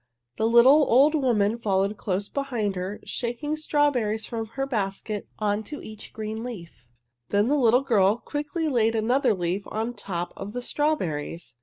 The little old woman followed close behind her, shaking strawberries from her basket onto each green leaf. Then the little girl quickly laid another leaf on top of the strawberries.